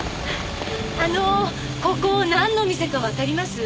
あのここなんの店かわかります？